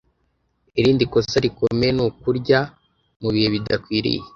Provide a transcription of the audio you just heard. Irindi kosa rikomeye ni ukurya mu bihe bidakwiriye